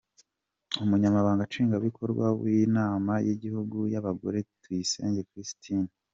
Umunyamabanga nshingwabikorwa w’Inama y’Igihugu y’Abagore, Tuyisenge Christine, .